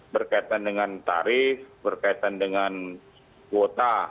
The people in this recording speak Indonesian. berkaitan dengan tarif berkaitan dengan kuota